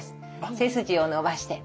背筋を伸ばして。